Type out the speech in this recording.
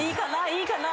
いいかな？